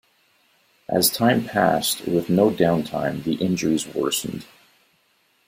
As time passed, with no down time, the injuries worsened.